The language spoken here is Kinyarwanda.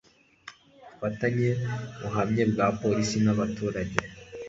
ubufatanye buhamye bwa polisi n abaturage